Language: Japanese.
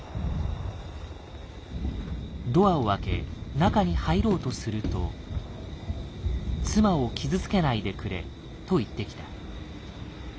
ドアを開け中に入ろうとすると「妻を傷つけないでくれ」と言ってきた。